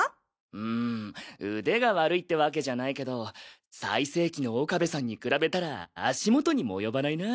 うん腕が悪いってわけじゃないけど最盛期の岡部さんに比べたら足元にも及ばないな。